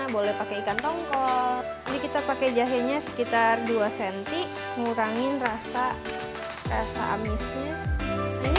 boleh pakai ikan tongkok jadi kita pakai jahenya sekitar dua cm ngurangin rasa rasa amisnya ini